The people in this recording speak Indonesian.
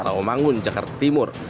raomangun jakarta timur